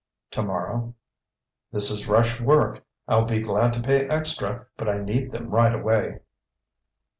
"Tomorrow." "This is rush work. I'll be glad to pay extra but I need them right away."